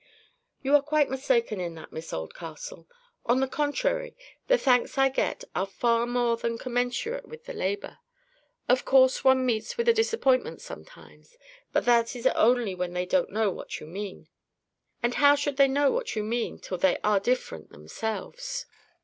"You are quite mistaken in that, Miss Oldcastle. On the contrary, the thanks I get are far more than commensurate with the labour. Of course one meets with a disappointment sometimes, but that is only when they don't know what you mean. And how should they know what you mean till they are different themselves?